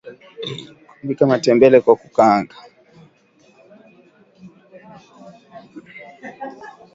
Kupika matembele kwa kukaanga